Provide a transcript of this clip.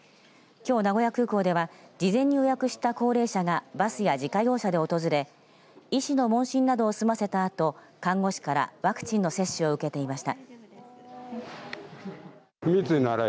きょう、名古屋空港では事前に予約した高齢者がバスや自家用車で訪れ医師の問診などを済ませたあと看護師からワクチンの接種を受けていました。